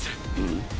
ん？